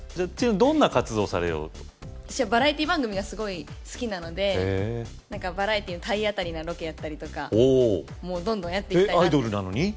どんな活動をされようと私はバラエティー番組がすごい好きなのでバラエティーの体当たりなロケやったりとかもうどんどんやっていきたいアイドルなのに？